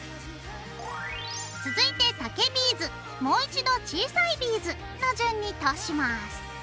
続いて竹ビーズもう一度小さいビーズの順に通します。